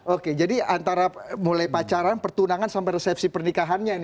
oke jadi antara mulai pacaran pertunangan sampai resepsi pernikahannya ini